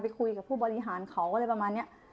ไปคุยกับผู้บริหารเขา